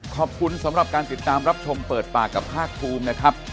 ขอบคุณสำหรับการติดตามรับชมเปิดปากกับภาคภูมินะครับ